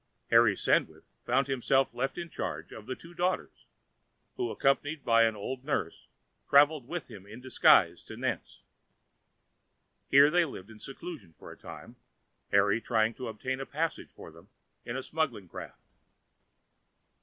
Harry Sandwith found himself left in charge of the two daughters, who, accompanied by an old nurse, travelled with him in disguise to Nantes. Here they lived in seclusion for a time, Harry trying to obtain a passage for them in a smuggling craft.